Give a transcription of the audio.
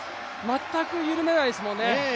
全く緩めないですもんね